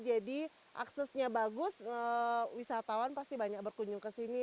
jadi aksesnya bagus wisatawan pasti banyak berkunjung ke sini